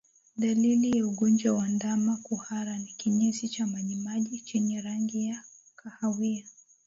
Dalili ya ugonjwa wa ndama kuhara ni kinyesi cha majimaji chenye rangi ya kahawia